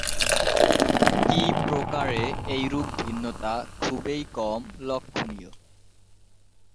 স্ত্রী প্রকারে এইরূপ ভিন্নতা খুবই কম লক্ষনীয়।